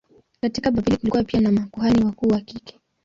Katika Babeli kulikuwa pia na makuhani wakuu wa kike.